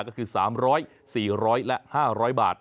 ก็คือ๓๐๐๔๐๐และ๕๐๐บาท